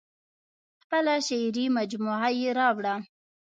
خپله شعري مجموعه یې راوړه.